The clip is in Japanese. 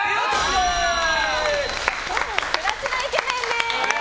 プラチナイケメンです！